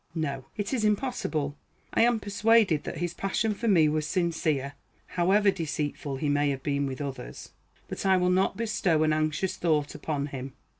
No; it is impossible. I am persuaded that his passion for me was sincere, however deceitful he may have been with others. But I will not bestow an anxious thought upon him.